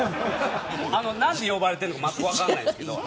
何で呼ばれてるのかまったく分からないです。